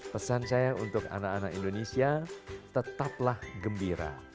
pesan saya untuk anak anak indonesia tetaplah gembira